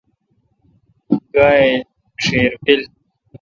گائی ڄیر پل۔